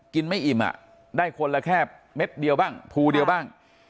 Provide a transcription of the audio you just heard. ไม่อิ่มได้คนละแค่เม็ดเดียวบ้างภูเดียวบ้าง